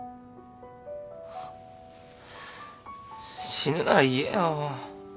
死ぬなら言えよ。